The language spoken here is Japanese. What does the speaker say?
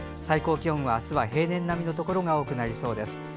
最高気温は平年並みのところが多くなりそうです。